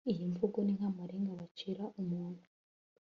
iyi mvugo ni nkamarenga bacira umuntu